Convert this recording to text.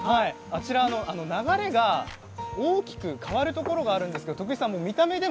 あちらの流れが大きく変わるところがあるんですけれども徳井さん